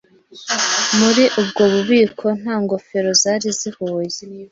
Muri ubwo bubiko nta ngofero zari zihuye.